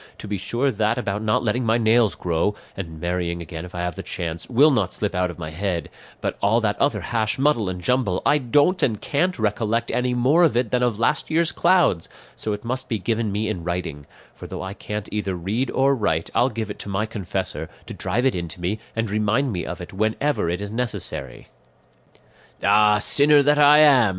To be sure that about not letting my nails grow, and marrying again if I have the chance, will not slip out of my head; but all that other hash, muddle, and jumble I don't and can't recollect any more of it than of last year's clouds; so it must be given me in writing; for though I can't either read or write, I'll give it to my confessor, to drive it into me and remind me of it whenever it is necessary." "Ah, sinner that I am!"